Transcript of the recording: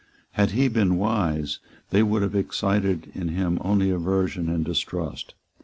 Had he been wise, they would have excited in him only aversion and distrust.